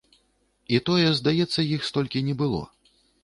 І тое, здаецца, іх столькі не было.